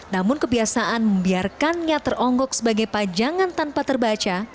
namun kebiasaan membiarkannya teronggok sebagai pajangan tanpa terbaca